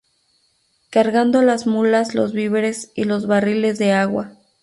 Cargando las mulas los víveres y los barriles de agua.